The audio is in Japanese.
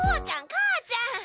母ちゃん！